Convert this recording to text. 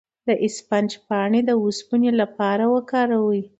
د اسفناج پاڼې د اوسپنې لپاره وکاروئ